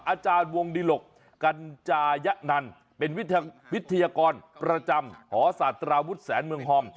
อาจารย์วงดิหลกกัญจายะนันเป็นวิทยากรประจำหอศาสตราวุฒิแสนเมืองฮอม